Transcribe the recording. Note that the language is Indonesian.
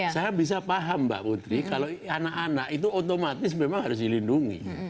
saya bisa paham mbak putri kalau anak anak itu otomatis memang harus dilindungi